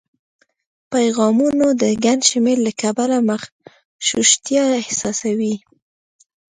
پیغامونو د ګڼ شمېر له کبله مغشوشتیا احساسوي